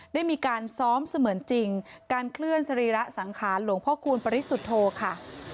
ได้มีการซ้อมเสมือนจริงการเคลื่อนสรีระสังขารหลวงพ่อคูณปริสุทธโธค่ะ